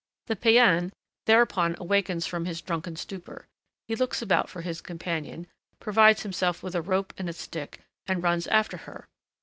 The païen thereupon awakes from his drunken stupor; he looks about for his companion, provides himself with a rope and a stick, and runs after her.